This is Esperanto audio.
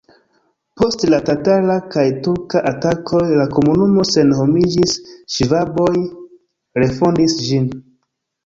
Post la tatara kaj turka atakoj la komunumo senhomiĝis, ŝvaboj refondis ĝin.